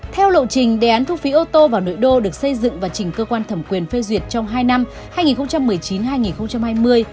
theo lộ trình đề án thu phí ô tô vào nội đô được xây dựng và chỉnh cơ quan thẩm quyền phê duyệt trong hai năm hai nghìn một mươi chín hai nghìn hai mươi